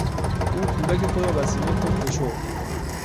او کودک خود را بر سینهی خود فشرد.